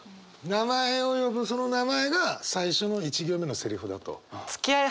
名前を呼ぶその名前が最初の一行目のセリフだと？